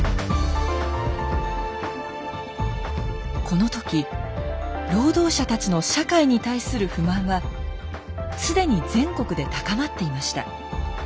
この時労働者たちの社会に対する不満は既に全国で高まっていました。